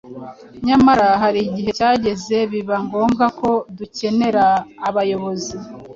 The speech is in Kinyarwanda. Nyamara hari igihe cyageze biba ngombwa ko dukenera abayobozi